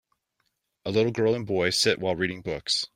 A little girl and boy sit while reading books.